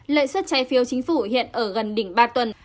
lợi suất trái phiếu chính phủ hiện ở gần đỉnh ba tuần